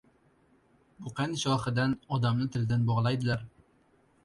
• Buqani shoxidan, odamni tilidan bog‘laydilar.